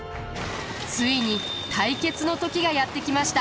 ついに対決の時がやって来ました。